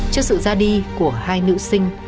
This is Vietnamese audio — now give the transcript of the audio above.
trước sự ra đi của hai nữ sinh